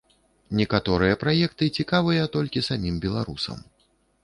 Некаторыя праекты цікавыя толькі самім беларусам.